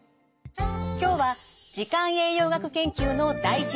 今日は時間栄養学研究の第一人者